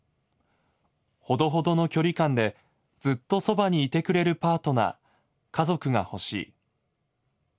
「ほどほどの距離感でずっとそばにいてくれるパートナー・家族がほしい。